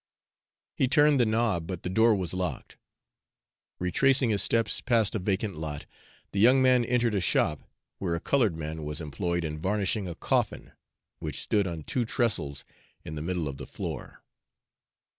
He turned the knob, but the door was locked. Retracing his steps past a vacant lot, the young man entered a shop where a colored man was employed in varnishing a coffin, which stood on two trestles in the middle of the floor.